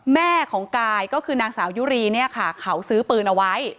แม่ของกายก็คือนางสาวยุรีเนี่ยค่ะเขาซื้อปืนเอาไว้